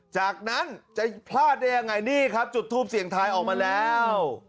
จากนั้นจะพลาดได้ยังไงนี่ครับจุดทูปเสียงทายออกมาแล้ว